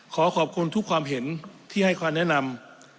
ขอขอบคุณทุกความเห็นที่ให้ความแนะนำ